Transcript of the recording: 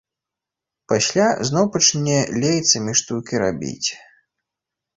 Пасля зноў пачне лейцамі штукі рабіць.